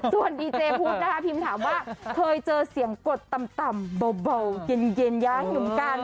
ส่วนดีเจพุทธนะคะพิมถามว่าเคยเจอเสียงกดต่ำเบาเย็นย้างอยู่เหมือนกัน